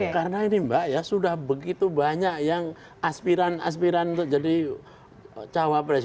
karena ini mbak ya sudah begitu banyak yang aspiran aspiran jadi cawapres